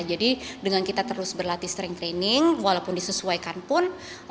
jadi dengan kita terus berlatih strength training walaupun disesuaikan pun